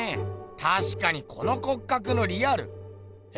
たしかにこの骨格のリアルえ？